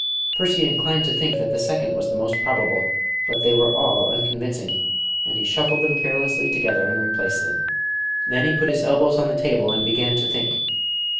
Percy inclined to think the second was the most probable; but they were all unconvincing; and he shuffled them carelessly together and replaced them. Then he put his elbows on the table, and began to think.